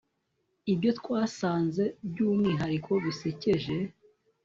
Ibyo twasanze byumwihariko bisekeje